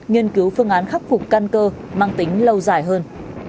nghiên cứu phương án khắc phục căn cơ mang tính lâu dài hơn